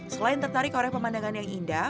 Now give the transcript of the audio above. selain tertarik oleh pemandangan yang indah